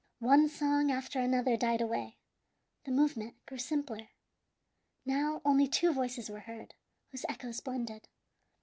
One song after another died away. The movement grew simpler. Now only two voices were heard, whose echoes blended.